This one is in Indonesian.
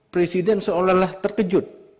presiden seolah olah terkejut